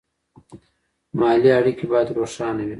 مالي اړیکې باید روښانه وي.